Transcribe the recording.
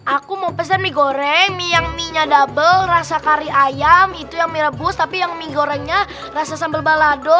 aku mau pesen mie goreng mie yang mie nya double rasa kari ayam itu yang mie rebus tapi yang mie gorengnya rasa sambal balado